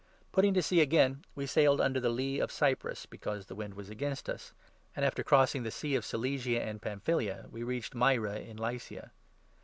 Putting to sea 4 again, we sailed under the lee of Cyprus, because the wind was against us ; and, after crossing the sea of Cilicia and Pamphylia, 5 we reached Myra in Lycia.